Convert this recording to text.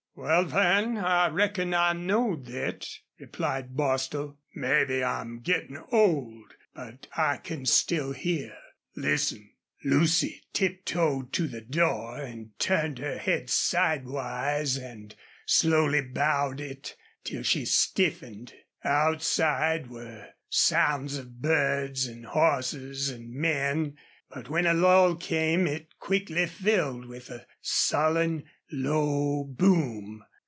"Wal, Van, I reckon I knowed thet," replied Bostil. "Mebbe I'm gettin' old, but I can still hear.... Listen." Lucy tiptoed to the door and turned her head sidewise and slowly bowed it till she stiffened. Outside were, sounds of birds and horses and men, but when a lull came it quickly filled with a sullen, low boom.